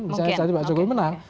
misalnya tadi pak jokowi menang